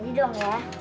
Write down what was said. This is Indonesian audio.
jadi dong ya